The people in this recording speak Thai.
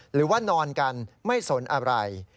หรือว่านอนกันไม่สนอะไร